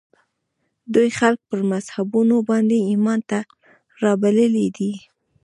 دوی خلک پر مذهبونو باندې ایمان ته رابللي دي